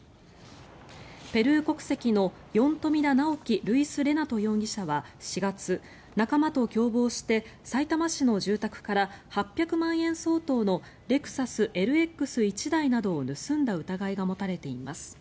ペルー国籍のヨン・トミダ・ナオキ・ルイス・レナト容疑者は４月、仲間と共謀してさいたま市の住宅から８００万円相当のレクサスＬＸ１台などを盗んだ疑いが持たれています。